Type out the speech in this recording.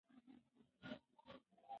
هلک د دهلېز په منځ کې په وېره کې ولاړ و.